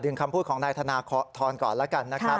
คำพูดของนายธนทรก่อนแล้วกันนะครับ